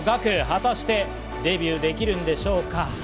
果たしてデビューできるんでしょうか？